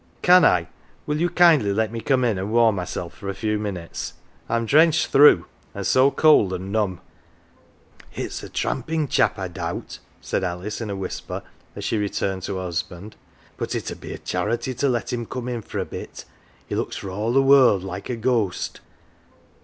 " Can I will you kindly let me come in and warm myself for a few minutes ? I am drenched through, and so cold and numb." " It's a tramping chap, I doubt," said Alice in a "OUR JOE" whisper, as she returned to her husband, " but it 'ud be a charity to let him come in for a bit. He looks for all the world like a ghost."